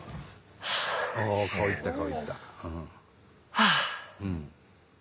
はあ！